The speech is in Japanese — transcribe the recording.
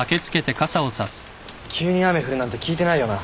急に雨降るなんて聞いてないよな。